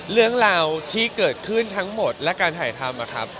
เรื่องราวที่เกิดขึ้นทั้งหมดและการถ่ายทำนะครับ